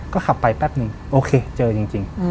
ก็ขับไปแป๊บนึงโอเคเจอจริง